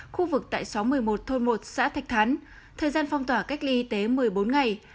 khu vực tại xóm một mươi một thôn một xã thạch thắn thời gian phong tỏa cách ly y tế một mươi bốn ngày